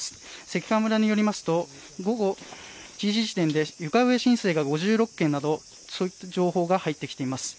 関川村によりますと午後１時時点で床上浸水が５６件などの情報が入ってきています。